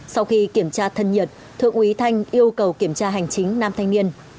sau khi kiểm tra thân nhiệt thượng úy thanh yêu cầu kiểm tra hành chính nam thanh niên